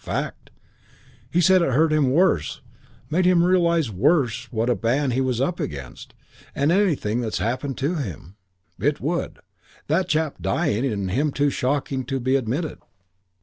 Fact. He said it hurt him worse, made him realise worse what a ban he was up against, than anything that's happened to him. It would. That chap dying and him too shocking to be admitted.